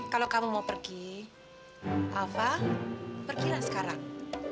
kalau kamu mau pergi alfa pergilah sekarang